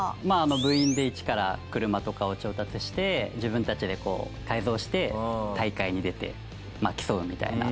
部員で一から車とかを調達して自分たちでこう改造して大会に出て競うみたいな。